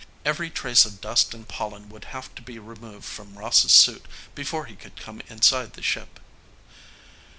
Every trace of dust and pollen would have to be removed from Ross's suit before he could come inside the ship.